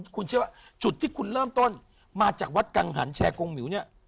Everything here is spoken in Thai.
คุณเชื่อว่าจุดที่คุณเริ่มต้นมาจากวัดกังหันแชร์กงหมิวเนี่ย